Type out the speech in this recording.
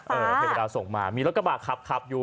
เทวดาส่งมามีรถกระบะขับขับอยู่